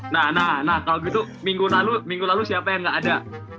nah nah nah kalo gitu minggu lalu siapa yang gak ada